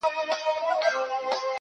او خپل گرېوان يې تر لمني پوري څيري کړلو~